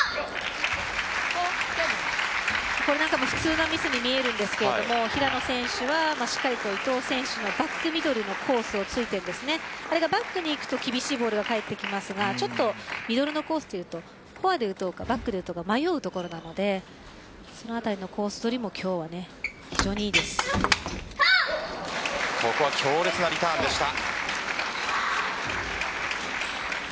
これも普通のミスに見えるんですけど平野選手はしっかりと伊藤選手のバックミドルのコースを突いてあれがバックにいくと厳しいボールが返ってきますがミドルのコースというとフォアで打とうかバックで打とうか迷うところなのでそのあたりのコース取りもここは強烈なリターンでした。